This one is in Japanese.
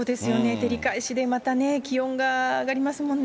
照り返しでまたね、気温が上がりますもんね。